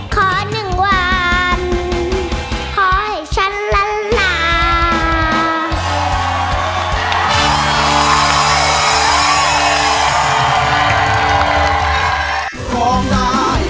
ขอหนึ่งวันขอให้ฉันละลา